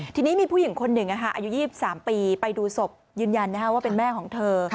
ทีนี้มีผู้หญิงคนหนึ่งอายุ๒๓ปีไปดูศพยืนยันว่าเป็นแม่ของเธอ